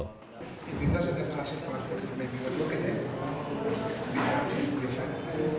jika tidak ada asis mungkin kita tidak akan melihatnya